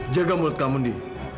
jaga mulut kamu ndi